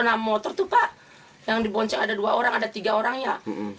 anak motor tuh pak yang dibonceng ada dua orang ada tiga orang ya